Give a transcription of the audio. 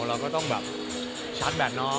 เราก็ต้องแบบชาร์จแบตน้อง